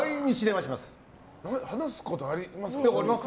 話すことありますか？